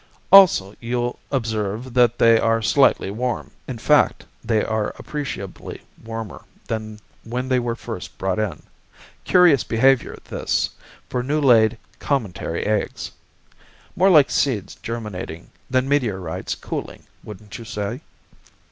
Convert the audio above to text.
"Also, you'll observe that they are slightly warm. In fact, they are appreciably warmer than when they were first brought in. Curious behavior, this, for new laid cometary eggs! More like seeds germinating than meteorites cooling, wouldn't you say?"